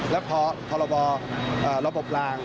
และพรระบบราง